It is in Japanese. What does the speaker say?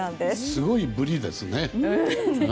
すごい、ぶりですね。